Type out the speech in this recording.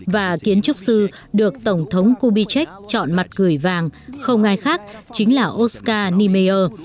và kiến trúc sư được tổng thống kubitschek chọn mặt gửi vàng không ai khác chính là oscar niemeyer